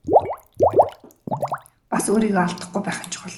Бас өөрийгөө алдахгүй байх нь чухал.